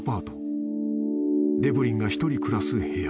［デブリンが１人暮らす部屋］